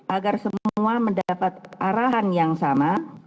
agar semua mendapat arahan yang sama